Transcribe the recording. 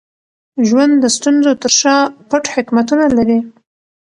ژوند د ستونزو تر شا پټ حکمتونه لري.